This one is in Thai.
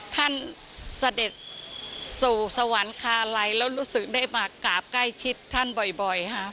เสด็จสู่สวรรคาลัยแล้วรู้สึกได้มากราบใกล้ชิดท่านบ่อยค่ะ